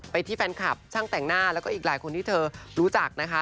ไปที่แฟนคลับช่างแต่งหน้าแล้วก็อีกหลายคนที่เธอรู้จักนะคะ